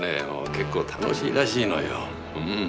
結構楽しいらしいのよ。